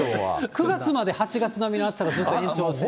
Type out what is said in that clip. ９月まで８月並みの暑さの延長線で。